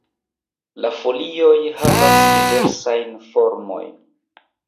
La folioj havas diversajn formojn.